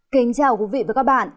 kính chào quý vị và các bạn